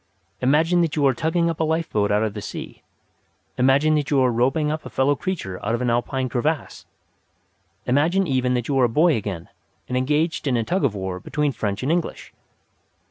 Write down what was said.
Imagine that you are tugging up a lifeboat out of the sea. Imagine that you are roping up a fellow creature out of an Alpine crevass. Imagine even that you are a boy again and engaged in a tug of war between French and English."